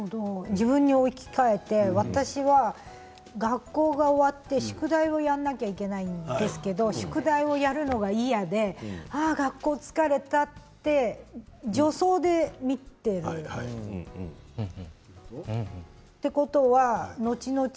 自分に置き換えて、私は学校が終わって宿題をやらなきゃいけないんですけど宿題をやるのが嫌ではあ、学校疲れたって助走で見ている、ということはのちのち